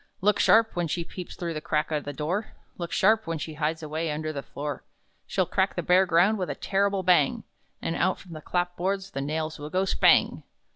"Look sharp when she peeps through the crack o' the door! Look sharp when she hides away under the floor! She'll crack the bare ground with a terrible bang! And out from the clap boards the nails will go, spang!